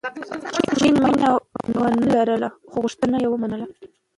جین مینه ونه لرله، خو غوښتنه یې ومنله.